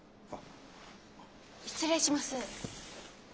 失礼します。